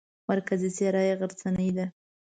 مرکزي څېره یې غرڅنۍ ده.